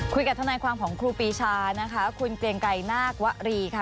ทนายความของครูปีชานะคะคุณเกรงไกรนาควรีค่ะ